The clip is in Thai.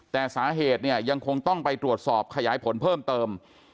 แต่สาเหตุเนี่ยยังคงต้องไปตรวจสอบขยายผลเพิ่มเติม